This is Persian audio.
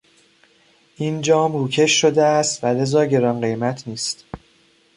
این جام روکش شده است و لذا گران قیمت نیست.